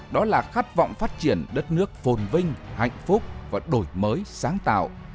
đó là khát vọng phát triển đất nước phồn vinh hạnh phúc và đổi mới sáng tạo